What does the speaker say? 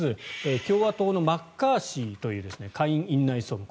共和党のマッカーシーという下院院内総務。